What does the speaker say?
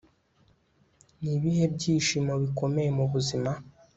Ni ibihe byishimo bikomeye mu buzima